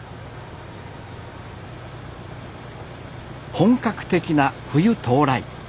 本格的な冬到来。